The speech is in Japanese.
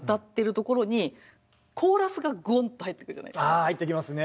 あ入ってきますね。